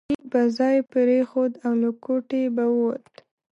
نو چیني به ځای پرېښود او له کوټې به ووت.